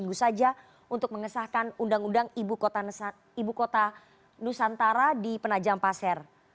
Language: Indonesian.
minggu saja untuk mengesahkan undang undang ibu kota nusantara di penajam pasir